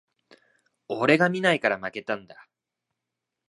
俺が見ないから負けたんだ